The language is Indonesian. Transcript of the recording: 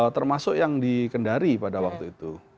termasuk yang di kendari pada waktu itu